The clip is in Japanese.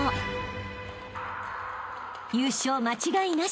［優勝間違いなし！］